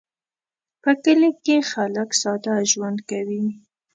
په کلي کې خلک ساده ژوند کوي